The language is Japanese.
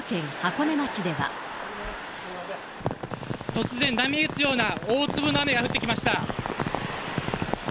突然、波打つような大粒の雨が降ってきました。